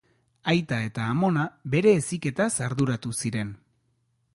Aita eta amona bere heziketaz arduratu ziren.